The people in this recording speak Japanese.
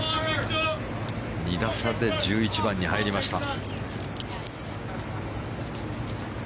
２打差で１１番に入りました。